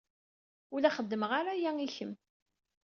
Ur la xeddmeɣ ara aya i kemm.